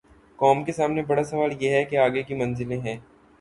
قوم کے سامنے بڑا سوال یہ ہے کہ آگے کی منزلیں ہیں۔